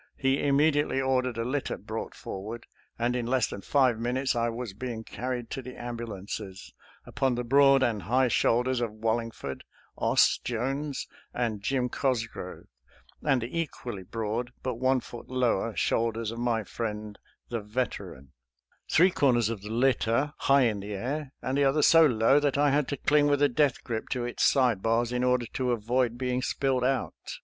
, He im mediately ordered a litter brought forward, and in less than five minutes I was being carried to the ambulances upon the broad and high shoulders of Wallingford, Aus Jones, and Jim Cosgrove, and the equally broad, but one foot lower, shoulders of my friend the Veteran — three corners of the litter high in the air, and the other so low that I had to cling with a death grip to its side bars in order to avoid being spilled out.